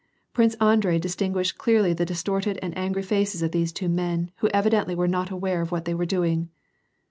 Prince Andrei distinguished clearly the distorted and angry faces of these two men, who evidently were not aware of what they were doing.